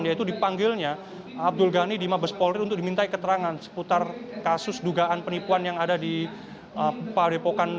yaitu dipanggilnya abdul ghani di mabes polri untuk dimintai keterangan seputar kasus dugaan penipuan yang ada di padepokan